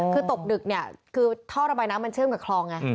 คือตกดึกเนี่ยคือท่อระบายน้ำมันเชื่อมกับคลองไง